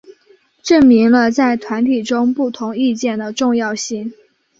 证明了在团体中不同意见的重要性。